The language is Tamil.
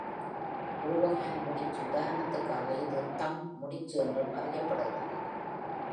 Overhand முடிச்சு, உதாரணத்திற்காக, இது thumb முடிச்சு என்றும் அறியப்படுகின்றது.